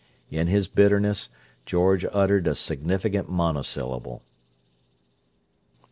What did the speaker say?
In his bitterness, George uttered a significant monosyllable.